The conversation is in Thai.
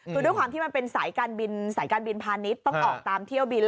คือด้วยความที่มันเป็นสายการบินสายการบินพาณิชย์ต้องออกตามเที่ยวบิน